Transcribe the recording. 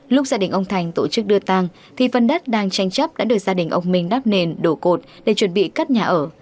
lúc gia đình ông thành tổ chức đưa tàng thì phần đất đang tranh chấp đã được gia đình ông minh đắp nền đổ cột để chuẩn bị cất nhà ở